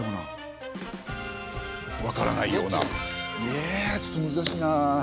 ええちょっと難しいな。